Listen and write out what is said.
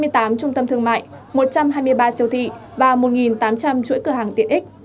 hai mươi tám trung tâm thương mại một trăm hai mươi ba siêu thị và một tám trăm linh chuỗi cửa hàng tiện ích